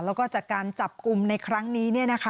แล้วก็จากการจับกลุ่มในครั้งนี้